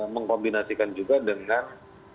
mengkombinasikan juga dengan